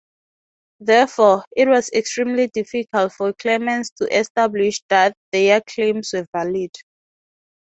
Therefore, it was extremely difficult for claimants to establish that their claims were valid.